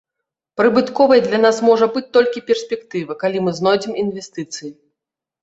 Прыбытковай для нас можа быць толькі перспектыва, калі мы знойдзем інвестыцыі.